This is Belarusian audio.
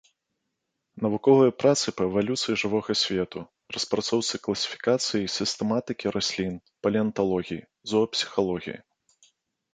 Навуковыя працы па эвалюцыі жывога свету, распрацоўцы класіфікацыі і сістэматыкі раслін, палеанталогіі, зоапсіхалогіі.